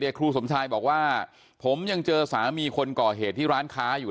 ครูสมชายบอกว่าผมยังเจอสามีคนก่อเหตุที่ร้านค้าอยู่